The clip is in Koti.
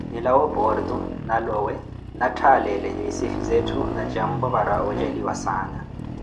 nilawe opoorto, na lowe, naatthalele misifi zettho na jampo para ojeliwa saana.